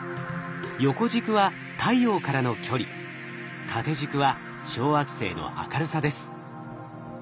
横軸は太陽からの距離縦軸は小惑星の明るさです。